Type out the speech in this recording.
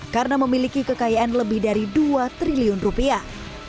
karena memiliki kekayaan lebih dari dua triliun rupiah